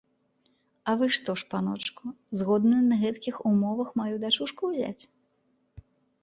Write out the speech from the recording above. А вы што ж, паночку, згодны на гэткіх умовах маю дачушку ўзяць?